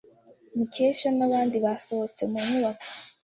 Mukesha n'abandi basohotse mu nyubako.